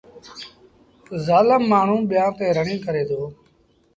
زآلم مآڻهوٚݩ ٻيآݩ تي رڙيٚن ڪريدو۔